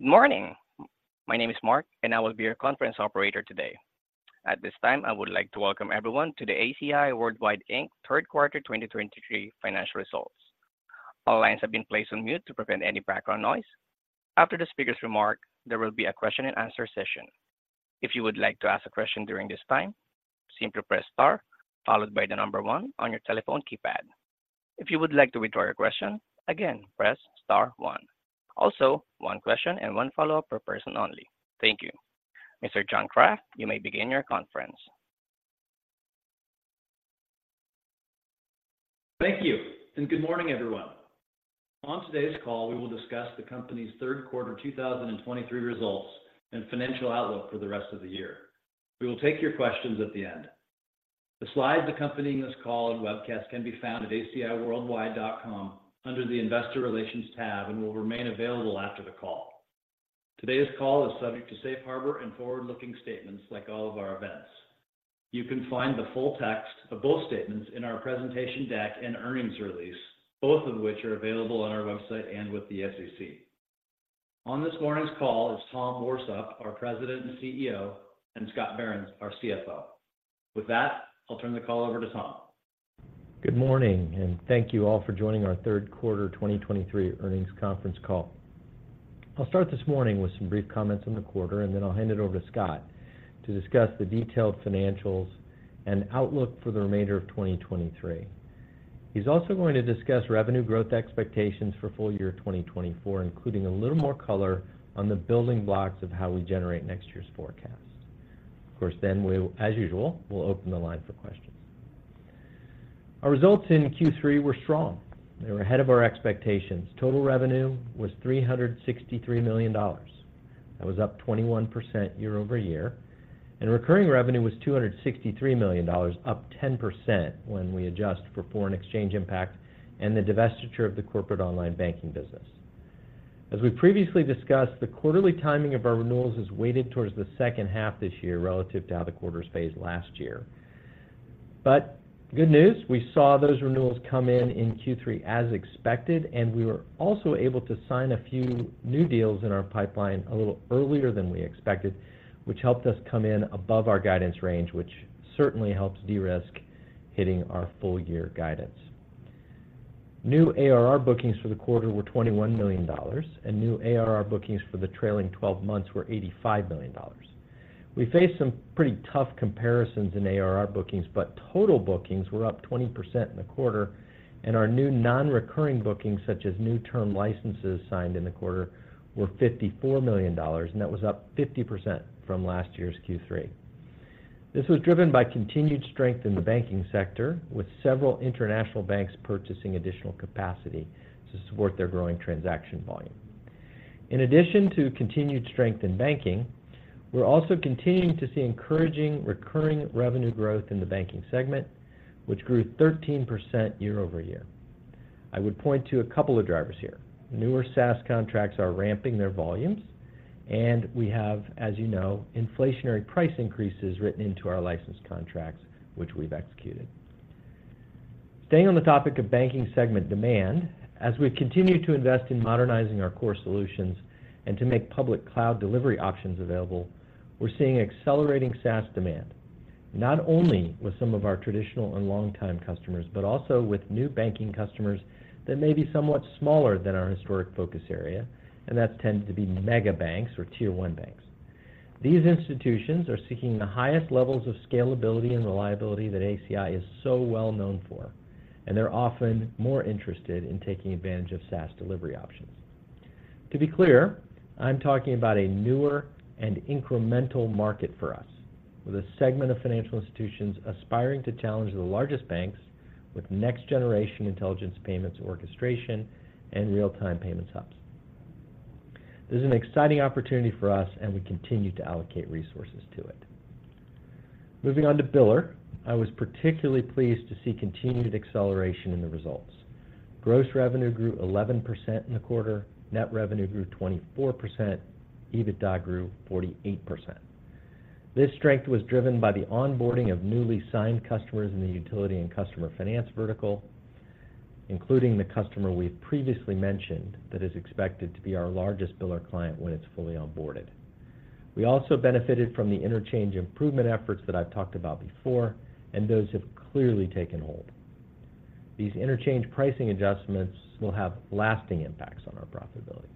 Good morning! My name is Mark, and I will be your conference operator today. At this time, I would like to welcome everyone to the ACI Worldwide Inc. Third Quarter 2023 Financial Results. All lines have been placed on mute to prevent any background noise. After the speaker's remark, there will be a question and answer session. If you would like to ask a question during this time, simply press Star followed by the number one on your telephone keypad. If you would like to withdraw your question, again, press Star one. Also, one question and one follow-up per person only. Thank you. Mr. John Kraft, you may begin your conference. Thank you, and good morning, everyone. On today's call, we will discuss the company's third quarter 2023 results and financial outlook for the rest of the year. We will take your questions at the end. The slides accompanying this call and webcast can be found at aciworldwide.com under the Investor Relations tab, and will remain available after the call. Today's call is subject to safe harbor and forward-looking statements, like all of our events. You can find the full text of both statements in our presentation deck and earnings release, both of which are available on our website and with the SEC. On this morning's call is Tom Warsop, our President and CEO, and Scott Behrens, our CFO. With that, I'll turn the call over to Tom. Good morning, and thank you all for joining our Q3 2023 earnings conference call. I'll start this morning with some brief comments on the quarter, and then I'll hand it over to Scott to discuss the detailed financials and outlook for the remainder of 2023. He's also going to discuss revenue growth expectations for full year 2024, including a little more color on the building blocks of how we generate next year's forecast. Of course, then we, as usual, we'll open the line for questions. Our results in Q3 were strong. They were ahead of our expectations. Total revenue was $363 million. That was up 21% year-over-year, and recurring revenue was $263 million, up 10% when we adjust for foreign exchange impact and the divestiture of the corporate online banking business. As we previously discussed, the quarterly timing of our renewals is weighted towards the second half this year relative to how the quarters phased last year. But good news, we saw those renewals come in in Q3 as expected, and we were also able to sign a few new deals in our pipeline a little earlier than we expected, which helped us come in above our guidance range, which certainly helps de-risk hitting our full year guidance. New ARR bookings for the quarter were $21 million, and new ARR bookings for the trailing twelve months were $85 million. We faced some pretty tough comparisons in ARR bookings, but total bookings were up 20% in the quarter, and our new non-recurring bookings, such as new term licenses signed in the quarter, were $54 million, and that was up 50% from last year's Q3. This was driven by continued strength in the banking sector, with several international banks purchasing additional capacity to support their growing transaction volume. In addition to continued strength in banking, we're also continuing to see encouraging recurring revenue growth in the banking segment, which grew 13% year-over-year. I would point to a couple of drivers here. Newer SaaS contracts are ramping their volumes, and we have, as you know, inflationary price increases written into our license contracts, which we've executed. Staying on the topic of banking segment demand, as we continue to invest in modernizing our core solutions and to make public cloud delivery options available, we're seeing accelerating SaaS demand, not only with some of our traditional and long-time customers, but also with new banking customers that may be somewhat smaller than our historic focus area, and that tends to be mega banks or Tier one banks. These institutions are seeking the highest levels of scalability and reliability that ACI is so well known for, and they're often more interested in taking advantage of SaaS delivery options. To be clear, I'm talking about a newer and incremental market for us, with a segment of financial institutions aspiring to challenge the largest banks with next-generation intelligence, payments, orchestration, and real-time payments hubs. This is an exciting opportunity for us, and we continue to allocate resources to it. Moving on to Biller. I was particularly pleased to see continued acceleration in the results. Gross revenue grew 11% in the quarter. Net revenue grew 24%. EBITDA grew 48%. This strength was driven by the onboarding of newly signed customers in the utility and customer finance vertical, including the customer we've previously mentioned, that is expected to be our largest biller client when it's fully onboarded. We also benefited from the interchange improvement efforts that I've talked about before, and those have clearly taken hold. These interchange pricing adjustments will have lasting impacts on our profitability.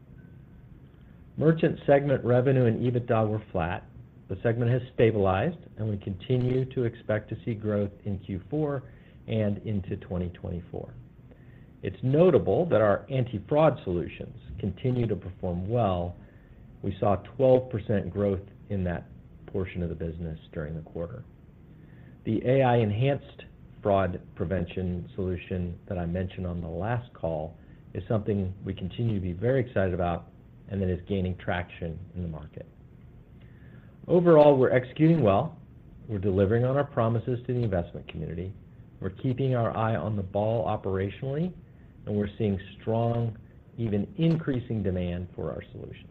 Merchant segment revenue and EBITDA were flat. The segment has stabilized, and we continue to expect to see growth in Q4 and into 2024. It's notable that our anti-fraud solutions continue to perform well. We saw 12% growth in that portion of the business during the quarter. The AI-enhanced fraud prevention solution that I mentioned on the last call is something we continue to be very excited about and that is gaining traction in the market. Overall, we're executing well, we're delivering on our promises to the investment community, we're keeping our eye on the ball operationally, and we're seeing strong, even increasing demand for our solutions.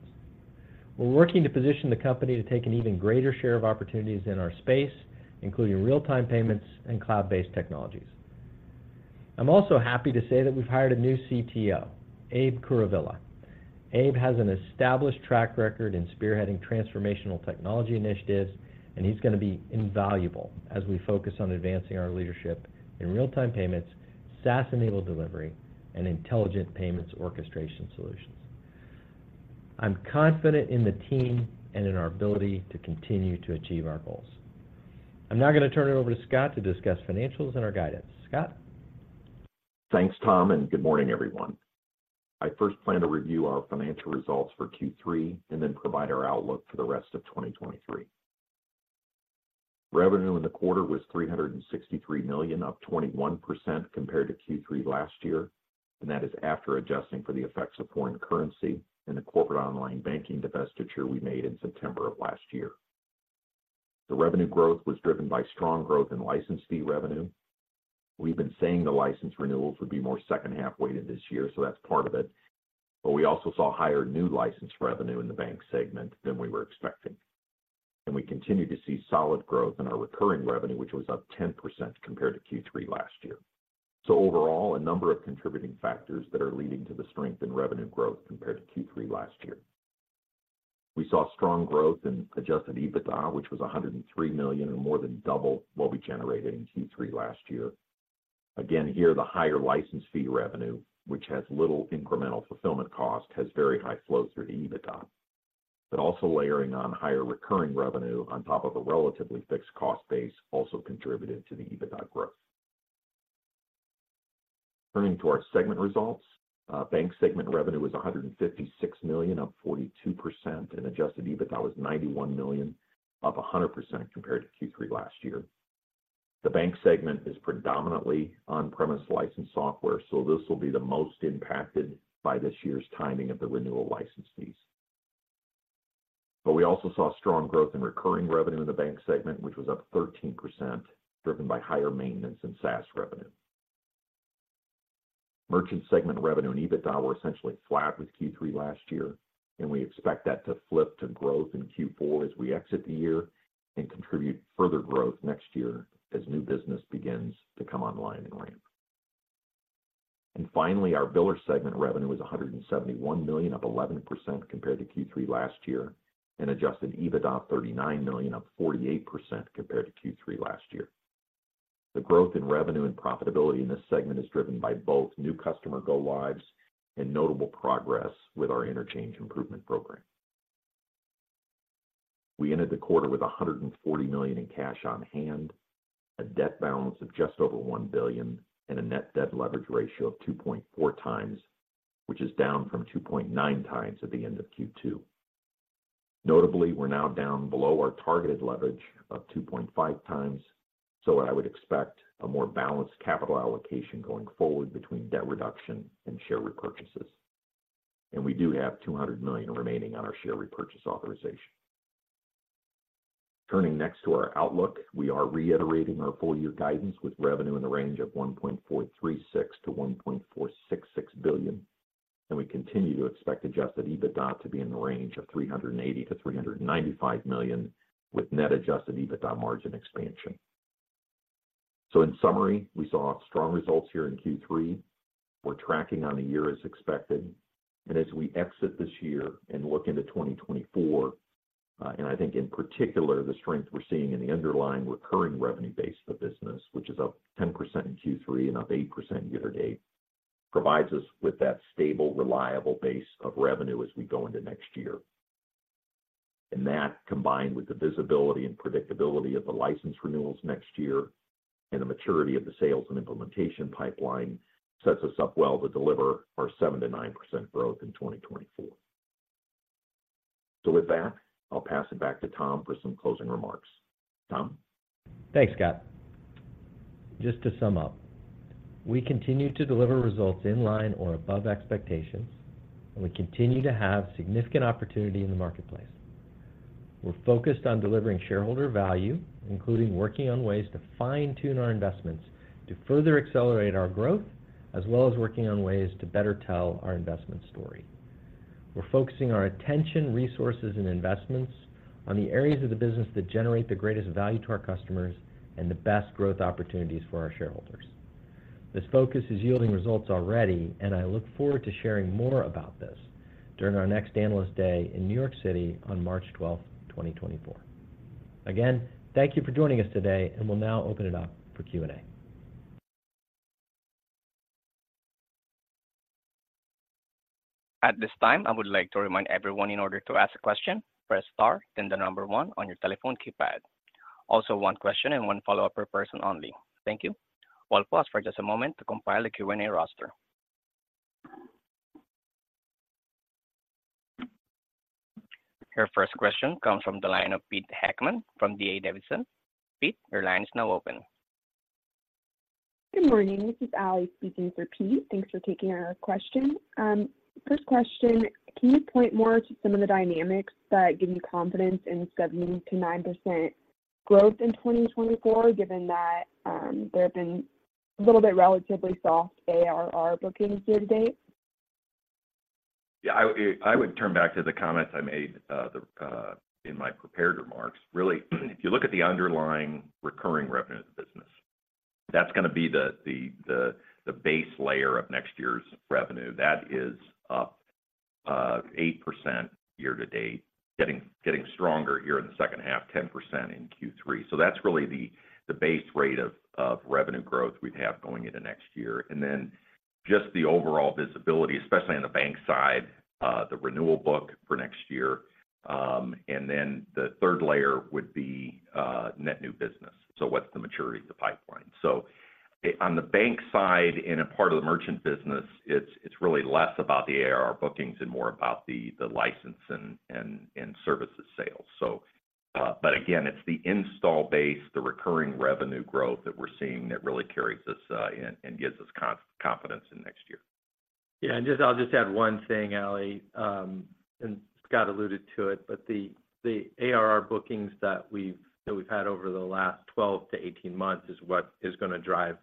We're working to position the company to take an even greater share of opportunities in our space, including real-time payments and cloud-based technologies.... I'm also happy to say that we've hired a new CTO, Abe Kuruvilla. Abe has an established track record in spearheading transformational technology initiatives, and he's going to be invaluable as we focus on advancing our leadership in real-time payments, SaaS-enabled delivery, and intelligent payments orchestration solutions. I'm confident in the team and in our ability to continue to achieve our goals. I'm now going to turn it over to Scott to discuss financials and our guidance. Scott? Thanks, Tom, and good morning, everyone. I first plan to review our financial results for Q3 and then provide our outlook for the rest of 2023. Revenue in the quarter was $363 million, up 21% compared to Q3 last year, and that is after adjusting for the effects of foreign currency and the corporate online banking divestiture we made in September of last year. The revenue growth was driven by strong growth in license fee revenue. We've been saying the license renewals would be more second-half weighted this year, so that's part of it, but we also saw higher new license revenue in the bank segment than we were expecting. And we continue to see solid growth in our recurring revenue, which was up 10% compared to Q3 last year. So overall, a number of contributing factors that are leading to the strength in revenue growth compared to Q3 last year. We saw strong growth in adjusted EBITDA, which was $103 million and more than double what we generated in Q3 last year. Again, here, the higher license fee revenue, which has little incremental fulfillment cost, has very high flows through to EBITDA, but also layering on higher recurring revenue on top of a relatively fixed cost base also contributed to the EBITDA growth. Turning to our segment results, bank segment revenue was $156 million, up 42%, and adjusted EBITDA was $91 million, up 100% compared to Q3 last year. The bank segment is predominantly on-premise licensed software, so this will be the most impacted by this year's timing of the renewal license fees. But we also saw strong growth in recurring revenue in the bank segment, which was up 13%, driven by higher maintenance and SaaS revenue. Merchant segment revenue and EBITDA were essentially flat with Q3 last year, and we expect that to flip to growth in Q4 as we exit the year and contribute further growth next year as new business begins to come online and ramp. And finally, our biller segment revenue was $171 million, up 11% compared to Q3 last year, and adjusted EBITDA of $39 million, up 48% compared to Q3 last year. The growth in revenue and profitability in this segment is driven by both new customer go-lives and notable progress with our interchange improvement program. We ended the quarter with $140 million in cash on hand, a debt balance of just over $1 billion, and a net debt leverage ratio of 2.4 times, which is down from 2.9 times at the end of Q2. Notably, we're now down below our targeted leverage of 2.5 times, so I would expect a more balanced capital allocation going forward between debt reduction and share repurchases. We do have $200 million remaining on our share repurchase authorization. Turning next to our outlook, we are reiterating our full year guidance with revenue in the range of $1.436-$1.466 billion, and we continue to expect adjusted EBITDA to be in the range of $380-$395 million, with net adjusted EBITDA margin expansion. So in summary, we saw strong results here in Q3. We're tracking on the year as expected, and as we exit this year and look into 2024, and I think in particular, the strength we're seeing in the underlying recurring revenue base of the business, which is up 10% in Q3 and up 8% year to date, provides us with that stable, reliable base of revenue as we go into next year. And that, combined with the visibility and predictability of the license renewals next year and the maturity of the sales and implementation pipeline, sets us up well to deliver our 7%-9% growth in 2024. So with that, I'll pass it back to Tom for some closing remarks. Tom? Thanks, Scott. Just to sum up, we continue to deliver results in line or above expectations, and we continue to have significant opportunity in the marketplace. We're focused on delivering shareholder value, including working on ways to fine-tune our investments to further accelerate our growth, as well as working on ways to better tell our investment story. We're focusing our attention, resources, and investments on the areas of the business that generate the greatest value to our customers and the best growth opportunities for our shareholders. This focus is yielding results already, and I look forward to sharing more about this during our next Analyst Day in New York City on March 12, 2024. Again, thank you for joining us today, and we'll now open it up for Q&A. At this time, I would like to remind everyone in order to ask a question, press star, then the number one on your telephone keypad. Also, one question and one follow-up per person only. Thank you. We'll pause for just a moment to compile a Q&A roster. Your first question comes from the line of Pete Heckmann from D.A. Davidson. Pete, your line is now open. Good morning, this is Alli speaking for Pete. Thanks for taking our question. First question: can you point more to some of the dynamics that give you confidence in 7%-9% growth in 2024, given that, there have been a little bit relatively soft ARR bookings year to date?... Yeah, I would turn back to the comments I made in my prepared remarks. Really, if you look at the underlying recurring revenue of the business, that's gonna be the base layer of next year's revenue. That is up 8% year to date, getting stronger here in the second half, 10% in Q3. So that's really the base rate of revenue growth we'd have going into next year. And then just the overall visibility, especially on the bank side, the renewal book for next year. And then the third layer would be net new business. So what's the maturity of the pipeline? So, on the bank side and a part of the merchant business, it's really less about the ARR bookings and more about the license and services sales. But again, it's the installed base, the recurring revenue growth that we're seeing that really carries us and gives us confidence in next year. Yeah, and just, I'll just add one thing, Ali. And Scott alluded to it, but the ARR bookings that we've had over the last 12-18 months is what is gonna drive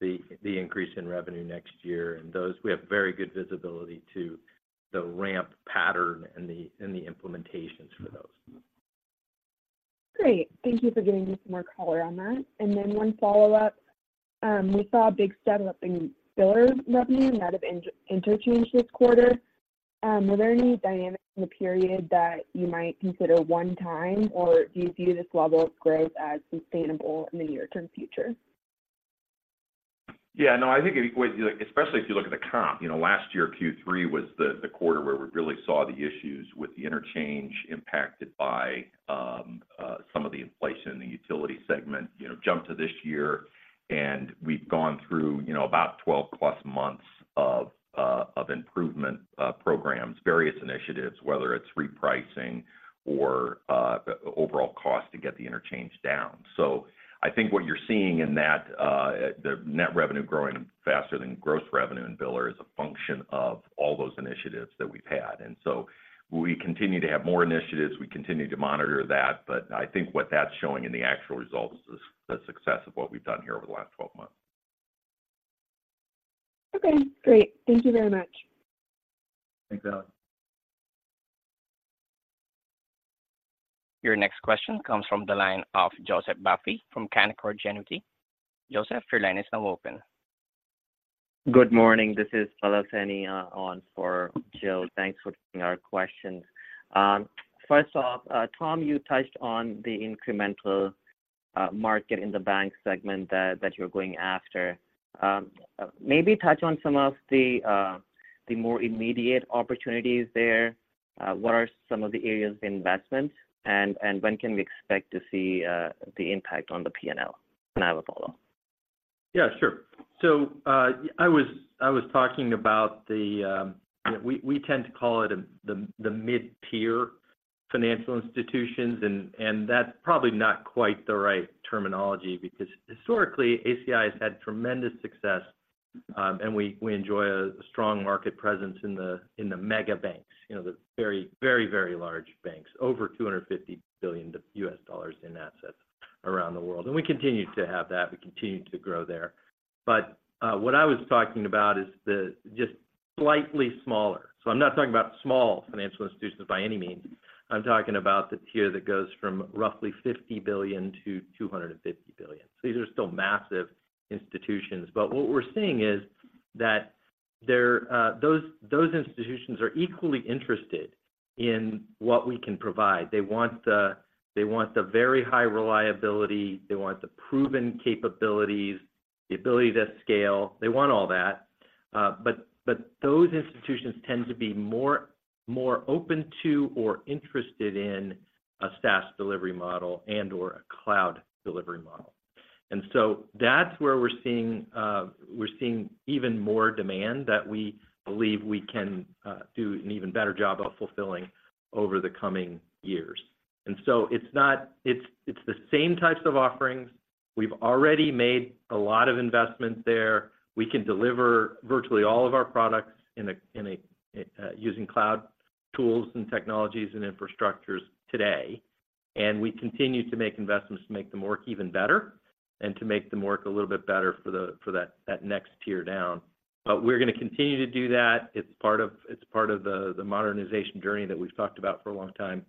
the increase in revenue next year. And those we have very good visibility to the ramp pattern and the implementations for those. Great. Thank you for giving me some more color on that. And then one follow-up. We saw a big step up in biller revenue and out of interchange this quarter. Were there any dynamics in the period that you might consider one time, or do you view this level of growth as sustainable in the near-term future? Yeah, no, I think it would, especially if you look at the comp. You know, last year, Q3 was the quarter where we really saw the issues with the interchange impacted by some of the inflation in the utility segment. You know, jump to this year, and we've gone through, you know, about 12+ months of improvement programs, various initiatives, whether it's repricing or overall cost to get the interchange down. So I think what you're seeing in that, the net revenue growing faster than gross revenue in biller is a function of all those initiatives that we've had. And so we continue to have more initiatives. We continue to monitor that, but I think what that's showing in the actual results is the success of what we've done here over the last 12 months. Okay, great. Thank you very much. Thanks, Ali. Your next question comes from the line of Joseph Vafi from Canaccord Genuity. Joseph, your line is now open. Good morning, this is Balasani, on for Joe. Thanks for taking our questions. First off, Tom, you touched on the incremental, market in the bank segment that, that you're going after. Maybe touch on some of the, the more immediate opportunities there. What are some of the areas of investment, and, and when can we expect to see, the impact on the P&L? And I have a follow-up. Yeah, sure. So, I was talking about the... We tend to call it the mid-tier financial institutions, and that's probably not quite the right terminology because historically, ACI has had tremendous success, and we enjoy a strong market presence in the mega banks, you know, the very, very, very large banks, over $250 billion in assets around the world. And we continue to have that, we continue to grow there. But, what I was talking about is the just slightly smaller. So I'm not talking about small financial institutions by any means. I'm talking about the tier that goes from roughly $50 billion-$250 billion. So these are still massive institutions, but what we're seeing is that there, those, those institutions are equally interested in what we can provide. They want the, they want the very high reliability, they want the proven capabilities, the ability to scale. They want all that, but, but those institutions tend to be more, more open to or interested in a SaaS delivery model and or a cloud delivery model. And so that's where we're seeing, we're seeing even more demand that we believe we can, do an even better job of fulfilling over the coming years. And so it's not. It's, it's the same types of offerings. We've already made a lot of investments there. We can deliver virtually all of our products using cloud tools and technologies and infrastructures today, and we continue to make investments to make them work even better and to make them work a little bit better for that next tier down. But we're gonna continue to do that. It's part of the modernization journey that we've talked about for a long time.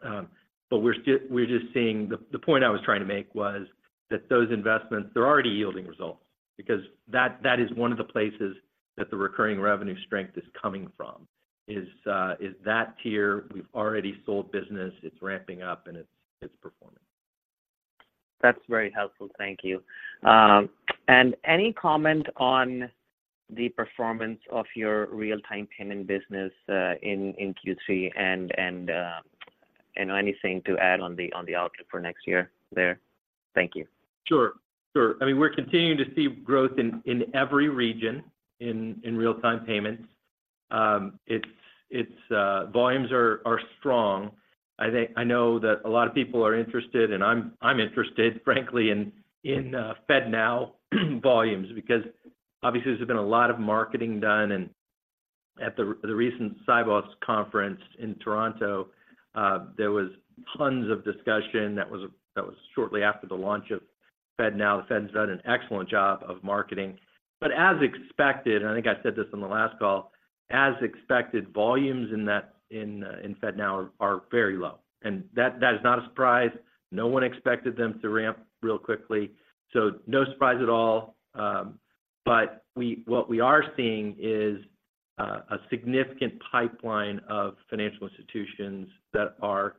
But we're just seeing... The point I was trying to make was that those investments, they're already yielding results because that is one of the places that the recurring revenue strength is coming from, is that tier. We've already sold business, it's ramping up, and it's performing. That's very helpful. Thank you. And any comment on the performance of your real-time payment business in Q3, and anything to add on the outlook for next year there? Thank you. Sure, sure. I mean, we're continuing to see growth in every region in real-time payments. It's volumes are strong. I know that a lot of people are interested, and I'm interested, frankly, in FedNow volumes, because obviously there's been a lot of marketing done. And at the recent Sibos conference in Toronto, there was tons of discussion that was shortly after the launch of FedNow. The Fed's done an excellent job of marketing. But as expected, and I think I said this on the last call, as expected, volumes in FedNow are very low, and that is not a surprise. No one expected them to ramp real quickly, so no surprise at all. But what we are seeing is a significant pipeline of financial institutions that are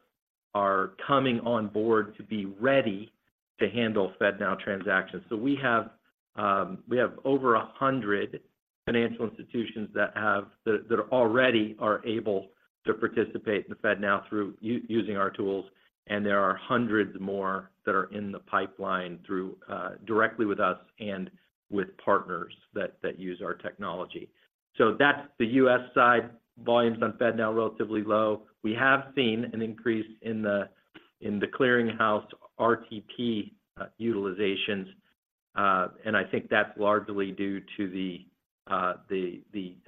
coming on board to be ready to handle FedNow transactions. So we have over 100 financial institutions that already are able to participate in the FedNow through using our tools, and there are hundreds more that are in the pipeline through directly with us and with partners that use our technology. So that's the U.S. side, volumes on FedNow are relatively low. We have seen an increase in the Clearing House RTP utilizations, and I think that's largely due to the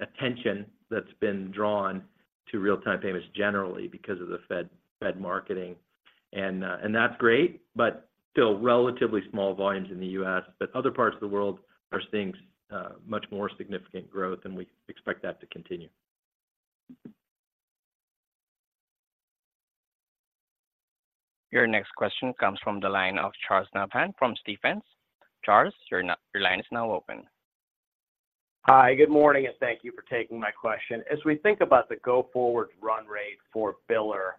attention that's been drawn to real-time payments generally because of the Fed marketing. That's great, but still relatively small volumes in the U.S., but other parts of the world are seeing much more significant growth, and we expect that to continue. Your next question comes from the line of Charles Nabhan from Stephens. Charles, your your line is now open. Hi, good morning, and thank you for taking my question. As we think about the go-forward run rate for biller,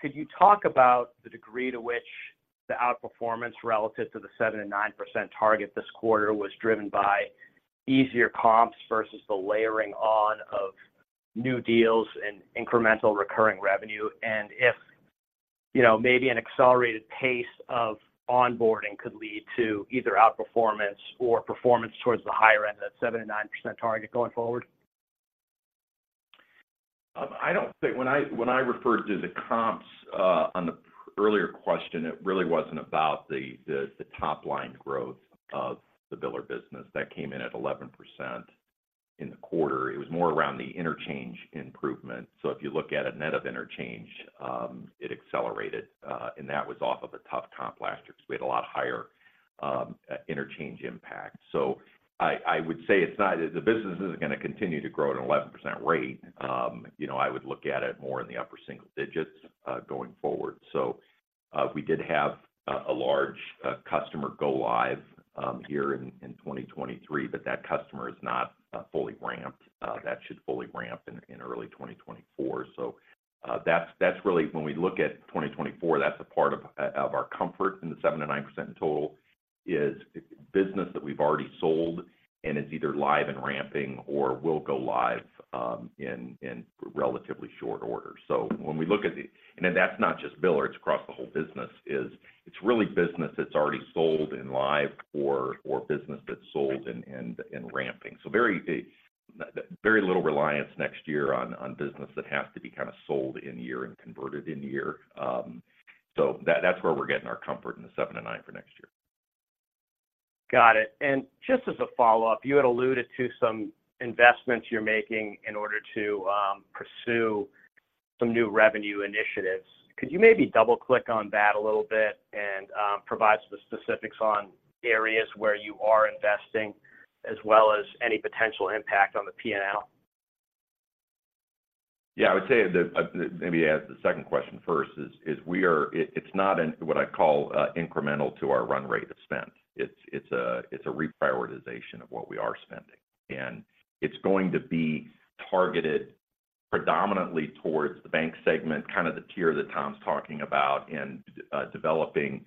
could you talk about the degree to which the outperformance relative to the 7%-9% target this quarter was driven by easier comps versus the layering on of new deals and incremental recurring revenue? And if, you know, maybe an accelerated pace of onboarding could lead to either outperformance or performance towards the higher end of 7%-9% target going forward? I don't think... When I referred to the comps on the earlier question, it really wasn't about the top line growth of the biller business. That came in at 11% in the quarter. It was more around the interchange improvement. If you look at a net of interchange, it accelerated, and that was off of a tough comp last year because we had a lot higher interchange impact. I would say the business isn't gonna continue to grow at an 11% rate. You know, I would look at it more in the upper single digits going forward. We did have a large customer go live here in 2023, but that customer is not fully ramped. That should fully ramp in early 2024. So, that's really when we look at 2024, that's a part of our comfort in the 7%-9% in total, is business that we've already sold and is either live and ramping or will go live in relatively short order. So when we look at the- and that's not just biller, it's across the whole business, is it's really business that's already sold and live or business that's sold and ramping. So very little reliance next year on business that has to be kind of sold in year and converted in year. So that's where we're getting our comfort in the 7%-9% for next year. Got it. Just as a follow-up, you had alluded to some investments you're making in order to pursue some new revenue initiatives. Could you maybe double-click on that a little bit and provide some specifics on areas where you are investing, as well as any potential impact on the P&L? Yeah, I would say that, maybe answer the second question first. It’s not, in what I’d call, incremental to our run rate of spend. It’s a reprioritization of what we are spending, and it’s going to be targeted predominantly towards the bank segment, kind of the tier that Tom’s talking about in developing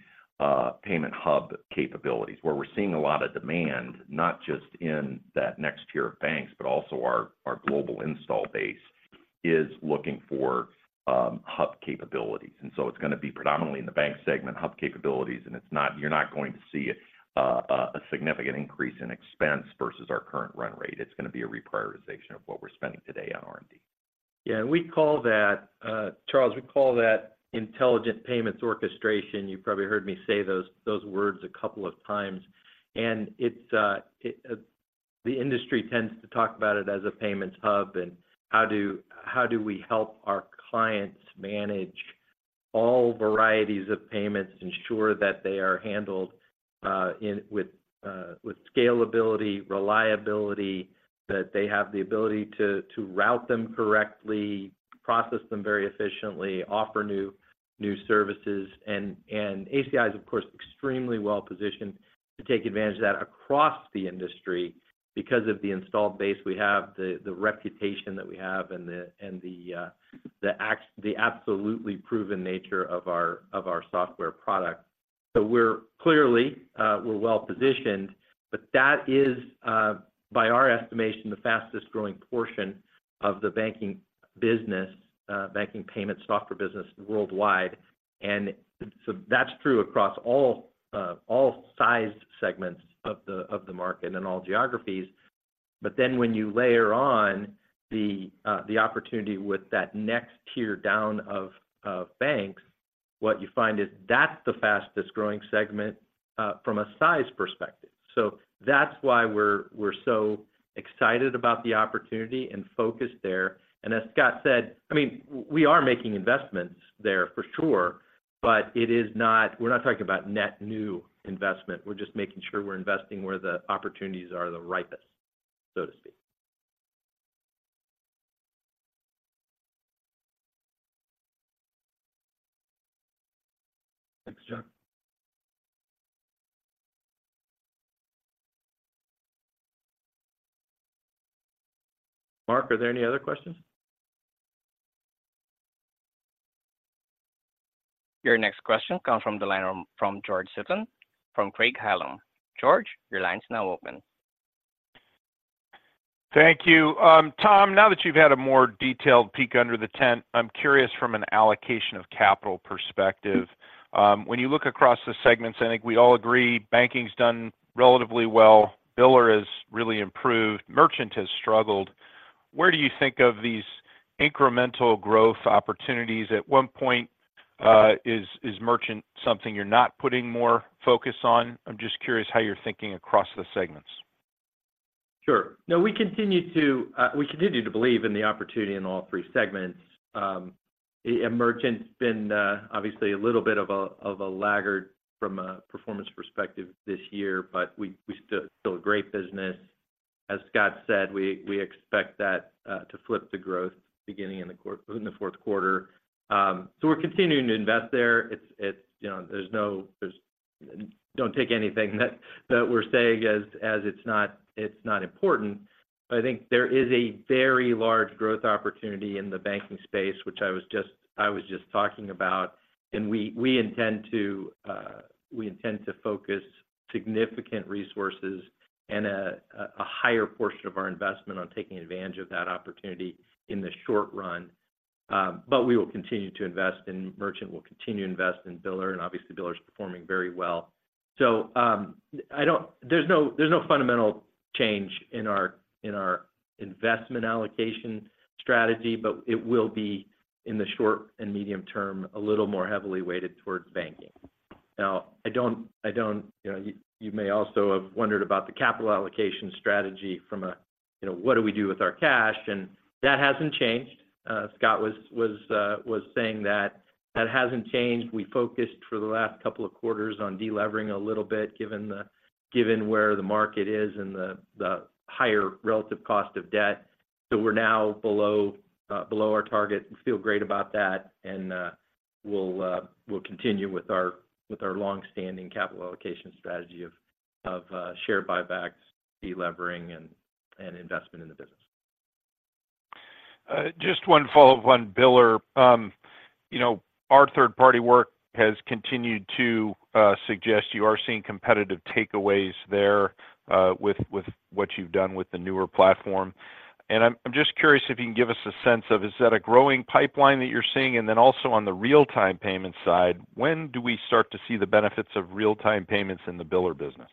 payment hub capabilities, where we’re seeing a lot of demand, not just in that next tier of banks, but also our global install base is looking for hub capabilities. And so it’s gonna be predominantly in the bank segment, hub capabilities, and it’s not—you’re not going to see a significant increase in expense versus our current run rate. It’s gonna be a reprioritization of what we’re spending today on R&D. Yeah, we call that, Charles, we call that intelligent payments orchestration. You probably heard me say those, those words a couple of times, and it's the industry tends to talk about it as a payments hub, and how do, how do we help our clients manage all varieties of payments, ensure that they are handled with scalability, reliability, that they have the ability to, to route them correctly, process them very efficiently, offer new, new services? And ACI is, of course, extremely well-positioned to take advantage of that across the industry. Because of the installed base we have, the reputation that we have, and the absolutely proven nature of our software product. So we're clearly, we're well-positioned, but that is, by our estimation, the fastest-growing portion of the banking business, banking payment software business worldwide. And so that's true across all, all sized segments of the, of the market and all geographies. But then when you layer on the, the opportunity with that next tier down of, banks, what you find is that's the fastest-growing segment, from a size perspective. So that's why we're, we're so excited about the opportunity and focus there. And as Scott said, I mean, we are making investments there for sure, but it is not—we're not talking about net new investment. We're just making sure we're investing where the opportunities are the ripest… so to speak. Thanks, John. Mark, are there any other questions? Your next question comes from the line from George Sutton, from Craig-Hallum. George, your line's now open. Thank you. Tom, now that you've had a more detailed peek under the tent, I'm curious from an allocation of capital perspective. When you look across the segments, I think we all agree banking's done relatively well, biller has really improved, merchant has struggled. Where do you think of these incremental growth opportunities? At what point is merchant something you're not putting more focus on? I'm just curious how you're thinking across the segments. Sure. No, we continue to believe in the opportunity in all three segments. And merchant's been obviously a little bit of a laggard from a performance perspective this year, but we still a great business. As Scott said, we expect that to flip the growth beginning in the fourth quarter. So we're continuing to invest there. It's you know, don't take anything that we're saying as it's not important. But I think there is a very large growth opportunity in the banking space, which I was just talking about, and we intend to focus significant resources and a higher portion of our investment on taking advantage of that opportunity in the short run. But we will continue to invest, and merchant will continue to invest in biller, and obviously, biller is performing very well. So, I don't- there's no, there's no fundamental change in our, in our investment allocation strategy, but it will be, in the short and medium term, a little more heavily weighted towards banking. Now, I don't, I don't- you know, you, you may also have wondered about the capital allocation strategy from a, you know, what do we do with our cash? And that hasn't changed. Scott was, was, was saying that that hasn't changed. We focused for the last couple of quarters on delevering a little bit, given the- given where the market is and the, the higher relative cost of debt. So we're now below, below our target. We feel great about that, and we'll continue with our long-standing capital allocation strategy of share buybacks, delevering, and investment in the business. Just one follow-up on biller. You know, our third-party work has continued to suggest you are seeing competitive takeaways there, with what you've done with the newer platform. And I'm just curious if you can give us a sense of, is that a growing pipeline that you're seeing? And then also on the real-time payment side, when do we start to see the benefits of real-time payments in the biller business?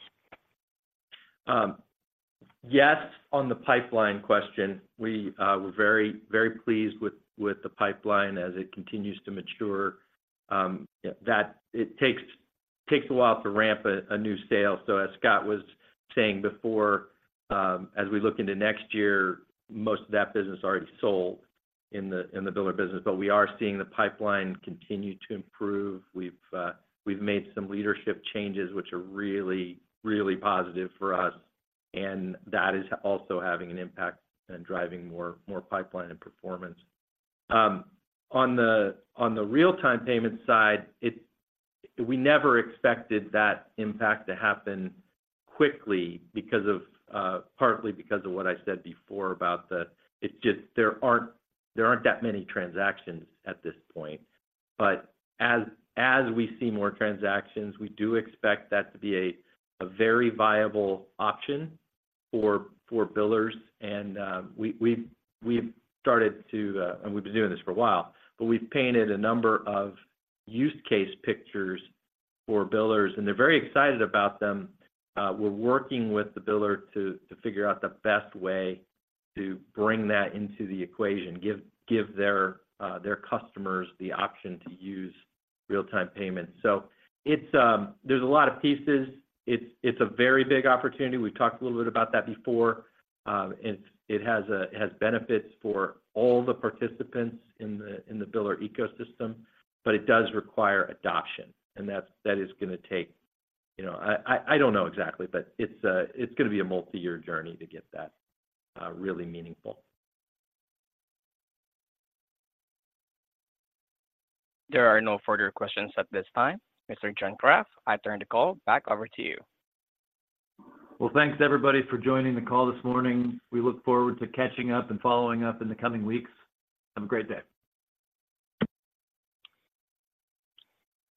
Yes, on the pipeline question, we're very, very pleased with the pipeline as it continues to mature. It takes a while to ramp a new sale. So as Scott was saying before, as we look into next year, most of that business is already sold in the biller business. But we are seeing the pipeline continue to improve. We've made some leadership changes, which are really, really positive for us, and that is also having an impact and driving more pipeline and performance. On the real-time payment side, we never expected that impact to happen quickly because of partly because of what I said before about the—it's just there aren't that many transactions at this point. But as we see more transactions, we do expect that to be a very viable option for billers. And we've been doing this for a while, but we've painted a number of use case pictures for billers, and they're very excited about them. We're working with the biller to figure out the best way to bring that into the equation, give their customers the option to use real-time payments. So it's, there's a lot of pieces. It's a very big opportunity. We've talked a little bit about that before. And it has benefits for all the participants in the biller ecosystem, but it does require adoption, and that's going to take, you know... I don't know exactly, but it's gonna be a multi-year journey to get that really meaningful. There are no further questions at this time. Mr. John Kraft, I turn the call back over to you. Well, thanks, everybody, for joining the call this morning. We look forward to catching up and following up in the coming weeks. Have a great day.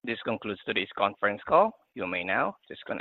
This concludes today's conference call. You may now disconnect.